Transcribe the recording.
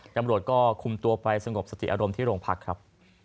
ตำรวจก็คุมตัวไปสงบสติอารมณ์ที่โรงพักครับ